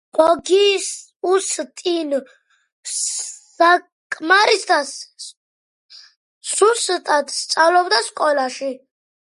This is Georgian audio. ოგიუსტინ ჟან ფრენელი საკმარისად სუსტად სწავლობდა სკოლაში.